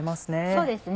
そうですね。